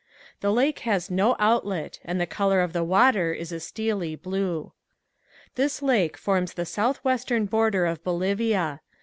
The lake has no outlet and the color of the water is a steely blue. This lake forms the northwestern border of Bolivia.